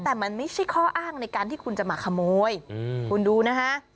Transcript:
แต่มันไม่ใช่ข้ออ้างในการที่คุณจะมาขโมยคุณดูนะฮะ